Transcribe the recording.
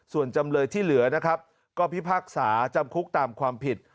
ส่วนจำเลยที่เหลือนะครับก็พิพากษาจำคุกตามความผิด